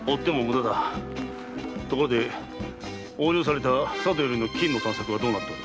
ところで横領された佐渡よりの金の探索はどうなっておる？